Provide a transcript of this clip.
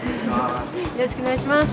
よろしくお願いします。